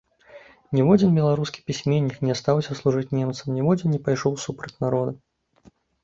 Ніводзін беларускі пісьменнік не астаўся служыць немцам, ніводзін не пайшоў супраць народа.